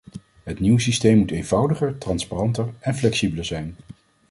Het nieuwe systeem moet eenvoudiger, transparanter en flexibeler zijn.